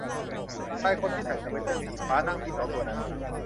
ชายคนที่ใส่สเวตเตอร์สีฟ้านั่งที่โต๊ะตัวนั้น